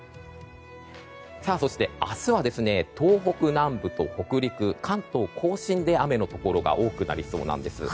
そして、明日は東北南部と北陸、関東・甲信で雨のところが多くなりそうなんです。